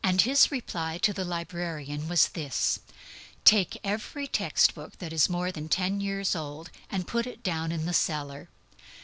His reply to the librarian was this: "Take every text book that is more than ten years old and put it down in the cellar."